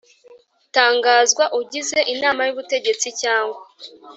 Tangazwa ugize inama y ubutegetsi cyangwa